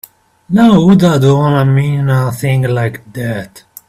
Now who'da done a mean thing like that?